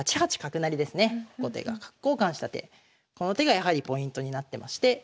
後手が角交換した手この手がやはりポイントになってまして。